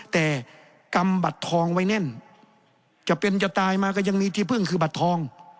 แต่กำบัตรทองไว้แน่นจะเป็นจะตายมาก็ยังมีที่พึ่งคือบัตรทอง